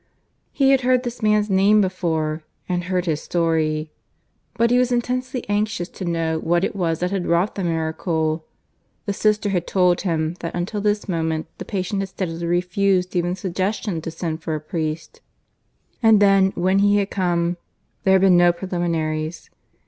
He had heard this man's name before, and heard his story. ... But he was intensely anxious to know what it was that had wrought the miracle. The sister had told him that until this moment the patient had steadily refused even the suggestion to send for a priest. And then, when he had come, there had been no preliminaries.